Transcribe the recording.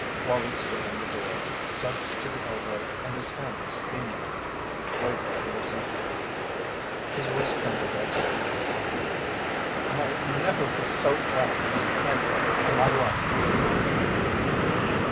Wallie stood in the door, suds to the elbow and his hands steaming, waiting to receive him. His voice trembled as he greeted him: "I never was so glad to see anybody in my life, Pinkey."